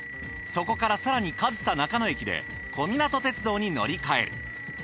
そこから更に上総中野駅で小湊鉄道に乗り換える。